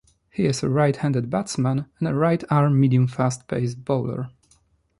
He is a right-handed batsman and a right-arm medium-fast pace bowler.